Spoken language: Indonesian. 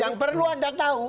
yang perlu anda tahu